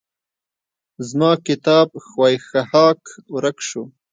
زما کتاب ښوی ښهاک ورک شو.